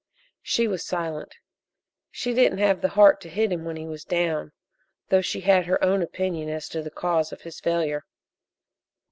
She was silent; she didn't have the heart to hit him when he was down, though she had her own opinion as to the cause of his failure.